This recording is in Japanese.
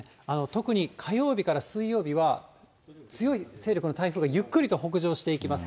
特に、火曜日から水曜日は、強い勢力の台風がゆっくりと北上していきます。